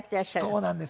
そうなんです。